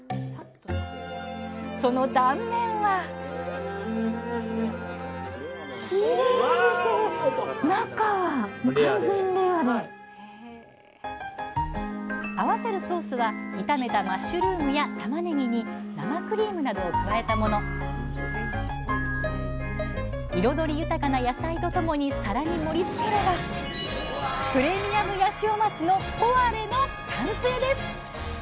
その断面は合わせるソースは炒めたマッシュルームやたまねぎに生クリームなどを加えたもの彩り豊かな野菜とともに皿に盛りつければプレミアムヤシオマスのポワレの完成です！